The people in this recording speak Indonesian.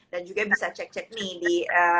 juga bisa cek cek nih di